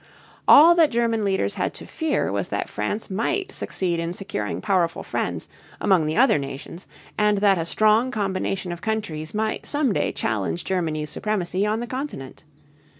All that German leaders had to fear was that France might succeed in securing powerful friends among the other nations and that a strong combination of countries might some day challenge Germany's supremacy on the Continent.